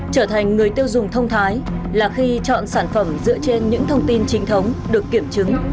trở thành người tiêu dùng thông thái là khi chọn sản phẩm dựa trên những thông tin chính thống được kiểm chứng